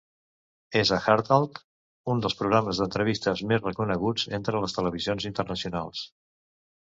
És a Hardtalk, un dels programes d’entrevistes més reconeguts entre les televisions internacionals.